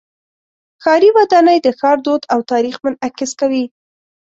ښاري ودانۍ د ښار دود او تاریخ منعکس کوي.